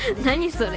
それ。